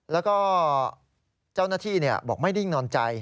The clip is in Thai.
แล้วก็เจ้าหน้าที่บอกไม่นิ่งนอนใจ